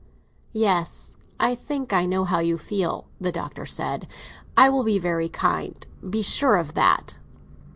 "Yes, I think I know how you feel," the Doctor said. "I will be very kind—be sure of that.